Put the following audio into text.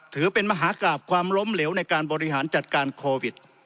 ถือเป็นมหากราบความล้มเหลวในการบริหารจัดการโควิด